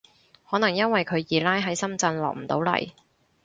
可能因為佢二奶喺深圳落唔到嚟